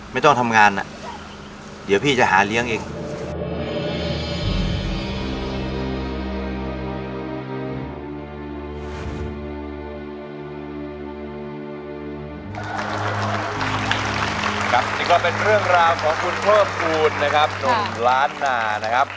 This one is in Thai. ไม่ต้องทำงานอ่ะเดี๋ยวพี่จะหาเลี้ยงเอง